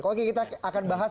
oke kita akan bahas